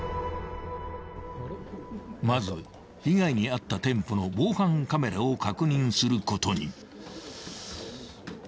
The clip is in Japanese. ［まず被害に遭った店舗の防犯カメラを確認することに］